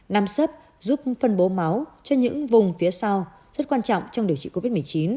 năm sấp giúp phân bố máu cho những vùng phía sau rất quan trọng trong điều trị covid một mươi chín